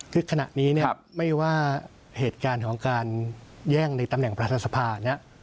คือขณะนี้เนี่ยไม่ว่าเหตุการณ์ของการแย่งในตำแหน่งประธานสภาเนี่ย